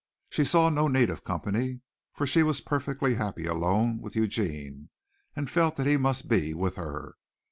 She saw no need of company, for she was perfectly happy alone with Eugene and felt that he must be with her.